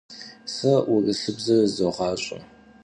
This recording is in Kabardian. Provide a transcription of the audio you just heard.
Se vurısıbze zızoğaş'e.